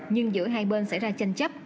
nhưng giữa hai bên xảy ra tranh chấp